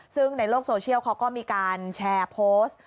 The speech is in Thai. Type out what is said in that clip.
ซึ่งในโลกโซเชียลเขาก็มีการแชร์โพสต์